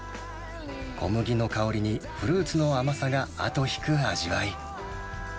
小麦の香りにフルーツの甘さがあと引く味わい。